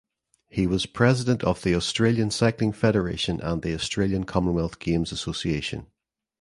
He was President of the Australian Cycling Federation and the Australian Commonwealth Games Association.